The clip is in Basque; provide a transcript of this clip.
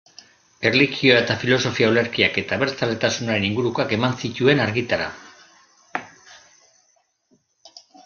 Erlijio- eta filosofia-olerkiak eta abertzaletasunaren ingurukoak eman zituen argitara.